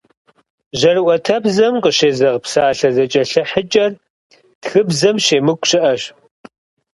Жьэрыӏуэтэбзэм къыщезэгъ псалъэ зэкӏэлъыхьыкӏэр тхыбзэм щемыкӏу щыӏэщ.